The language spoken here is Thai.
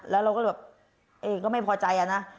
แล้วเราก็แบบเองก็ไม่พอใจอะนะ